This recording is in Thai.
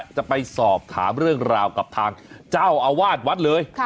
จะไปสอบถามเรื่องราวกับทางเจ้าอาวาสวัดเลย